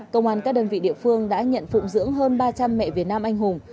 công an các đơn vị địa phương đã nhận phụng dưỡng hơn ba trăm linh mẹ việt nam anh hùng